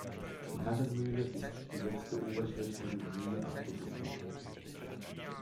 Die Herrenmühle ist die letzte oberschlächtige Mühle am Duffesbach.